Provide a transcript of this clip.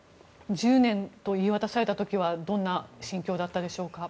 １０年と言い渡された時はどんな心境だったでしょうか。